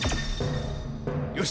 よし！